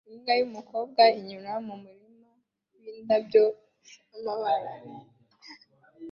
Imbwa yumukobwa inyura mumurima windabyo zamabara